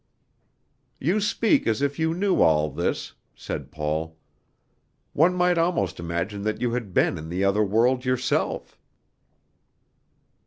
"You speak as if you knew all this," said Paul. "One might almost imagine that you had been in the other world yourself."